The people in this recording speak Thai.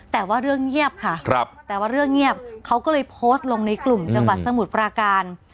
แต่ว่าเรื่องเงียบค่ะแต่ว่าเรื่องเงียบเขาก็เลยโพสต์ลงในกลุ่มจังหวัดสมุทรปราการ